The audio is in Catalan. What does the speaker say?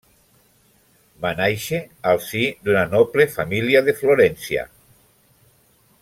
Va nàixer al si d'una noble família de Florència.